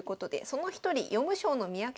その一人読む将の三宅さん